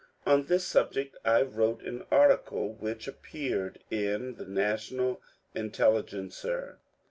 On this subject I wrote an article which appeared in the ^^ National Intelligencer."